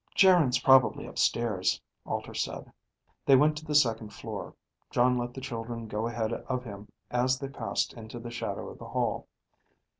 "Geryn's probably upstairs," Alter said. They went to the second floor. Jon let the children go ahead of him as they passed into the shadow of the hall.